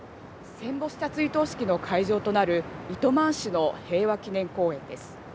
戦没者追悼式の会場となる、糸満市の平和祈念公園です。